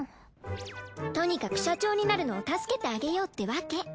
とにかく社長になるのを助けてあげようってわけ。